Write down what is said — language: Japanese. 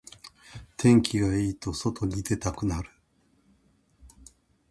天気がいいと外に出たくなる